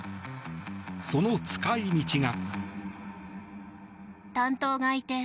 その使い道が。